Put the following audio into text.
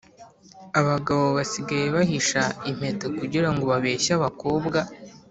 Abagabo basigaye bahisha impeta kugirango babeshye abakobwa